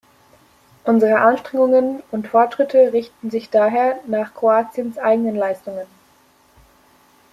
Unsere Anstrengungen und Fortschritte richten sich daher nach Kroatiens eigenen Leistungen.